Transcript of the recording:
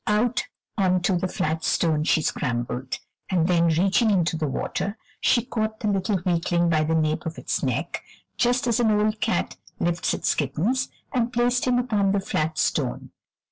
Out onto the flat stone she scrambled, and then reaching into the water, she caught the little weakling by the nape of its neck, just as an old cat lifts its kittens, and placed him upon the flat stone.